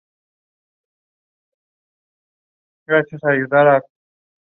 Además apareció en el álbum de hip-hop de Kenny Dope "The Unreleased Project".